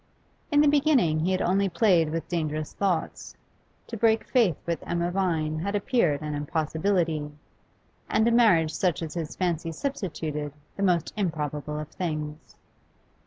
In the beginning he had only played with dangerous thoughts; to break faith with Emma Vine had appeared an impossibility, and a marriage such as his fancy substituted, the most improbable of things.